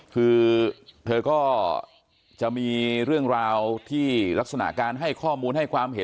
คือเธอก็จะมีเรื่องราวที่ลักษณะการให้ข้อมูลให้ความเห็น